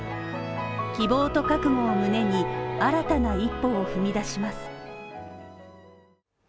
希望と覚悟を胸に、新たな一歩を踏み出します。